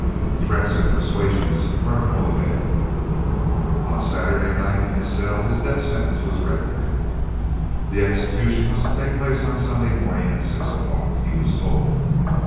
Threats and persuasions were of no avail. On Saturday night in his cell his death sentence was read to him. The execution was to take place on Sunday morning at 6 o'clock, he was told.